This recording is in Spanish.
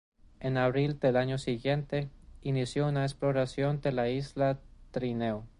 En abril del año siguiente inició una exploración de la isla en trineo.